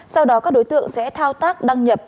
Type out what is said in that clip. sau đó các đối tượng sẽ thao tác đăng nhập